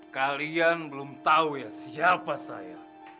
kalian belum tahu ya siapa saya